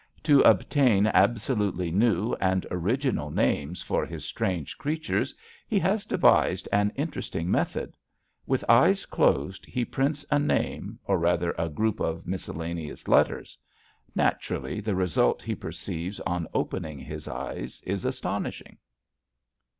To obtain absolutely new and original names for his strange creatures he has devised an interesting method. With eyes closed he prints a name or rather a group of miscellaneous letters. Naturally the result he perceives on opening his eyes is astonishing.